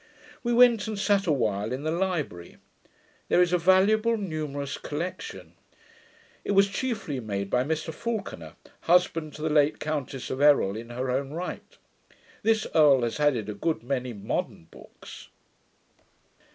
We went and sat a while in the library. There is a valuable numerous collection. It was chiefly made by Mr Falconer, husband to the late Countess of Errol in her own right. This earl has added a good many modern books.